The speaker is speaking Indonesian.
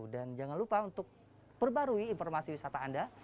dan jangan lupa untuk perbarui informasi wisata anda